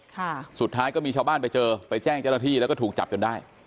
ค่ะสุดท้ายก็มีชาวบ้านไปเจอไปแจ้งเจ้าหน้าที่แล้วก็ถูกจับจนได้